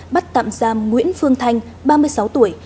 bắt tạm giam nguyễn phương thanh ba mươi sáu tuổi